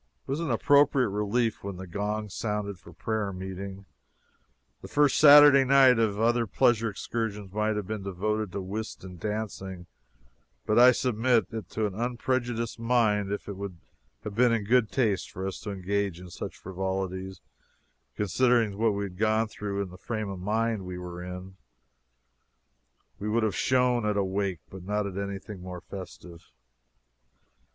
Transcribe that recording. It was an appropriate relief when the gong sounded for prayer meeting. The first Saturday night of any other pleasure excursion might have been devoted to whist and dancing; but I submit it to the unprejudiced mind if it would have been in good taste for us to engage in such frivolities, considering what we had gone through and the frame of mind we were in. We would have shone at a wake, but not at anything more festive.